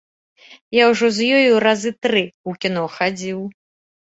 Я ўжо з ёю разы тры ў кіно хадзіў.